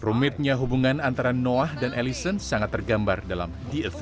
rumitnya hubungan antara noah dan allison sangat tergambar dalam the fed